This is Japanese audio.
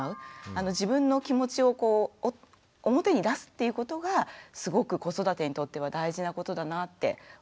自分の気持ちを表に出すっていうことがすごく子育てにとっては大事なことだなって思います。